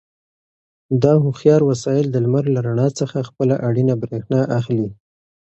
دا هوښیار وسایل د لمر له رڼا څخه خپله اړینه برېښنا اخلي.